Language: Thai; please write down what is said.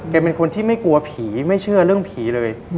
เป็นคนที่ไม่กลัวผีไม่เชื่อเรื่องผีเลย